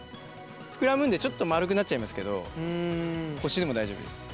膨らむんでちょっと丸くなっちゃいますけど星でも大丈夫です。